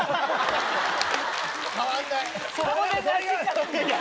変わらない！